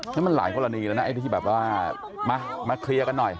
นี่มันหลายกรณีแล้วนะไอ้ที่แบบว่ามาเคลียร์กันหน่อย